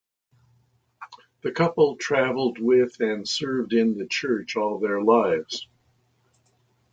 The couple traveled with and served in the church all their lives.